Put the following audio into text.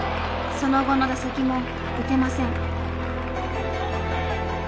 その後の打席も打てません。